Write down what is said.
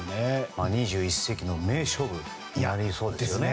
２１世紀の名勝負になりそうですね。